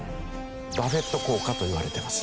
バフェット効果と言われてます。